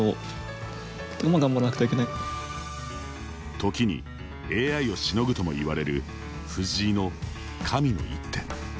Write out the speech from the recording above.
時にＡＩをしのぐとも言われる藤井の神の一手。